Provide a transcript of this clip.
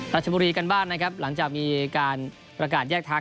ราชบุรีกันบ้างนะครับหลังจากมีการประกาศแยกทาง